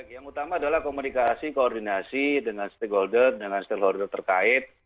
yang utama adalah komunikasi koordinasi dengan stakeholder dengan stakeholder terkait